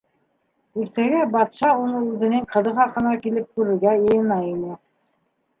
Иртәгә батша уны үҙенең ҡыҙы хаҡына килеп күрергә йыйына ине.